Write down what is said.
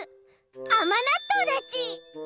「あまなっとう」だち。